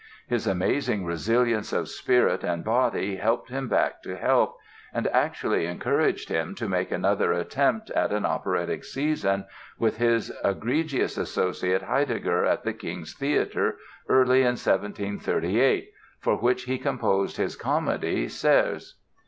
His amazing resilience of spirit and body helped him back to health and actually encouraged him to make another attempt at an operatic season with his egregious associate, Heidegger, at the King's Theatre early in 1738, for which he composed his comedy, "Serse."